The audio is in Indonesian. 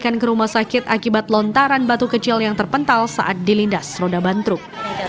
kedatangan kerumah sakit akibat lontaran batu kecil yang terpental saat dilindas roda bantruk